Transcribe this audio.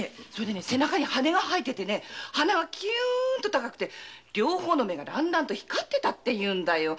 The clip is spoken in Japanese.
背中に羽が生えてて鼻もキューっと高くて両方の目が光ってたっていうんだよ。